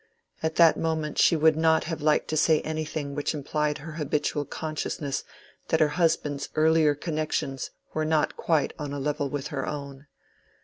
At that moment she would not have liked to say anything which implied her habitual consciousness that her husband's earlier connections were not quite on a level with her own.